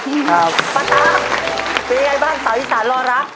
พัชราเป็นยังไงบ้างสาวอิสล้านรอรับ